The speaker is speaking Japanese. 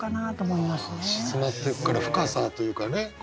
沈まってくから深さというかね